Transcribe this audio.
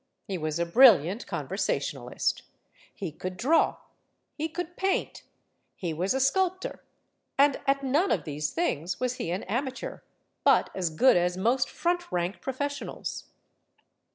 He was a brilliant conversation alist. He could draw. He could paint. He was a sculptor. And at none of these things was he an ama teur, but as good as most front rank professionals.